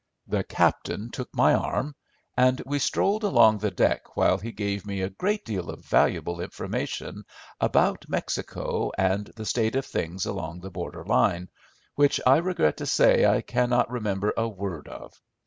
The captain took my arm, and we strolled along the deck while he gave me a great deal of valuable information about Mexico and the state of things along the border line, which I regret to say I cannot remember a word of.